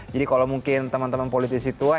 jadi kalau mungkin teman teman politisi tua